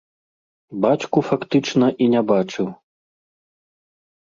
Бацьку фактычна і не бачыў.